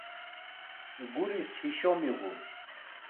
Guris hişo miğun.